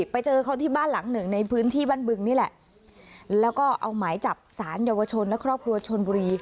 ไปเจอเขาที่บ้านหลังหนึ่งในพื้นที่บ้านบึงนี่แหละแล้วก็เอาหมายจับสารเยาวชนและครอบครัวชนบุรี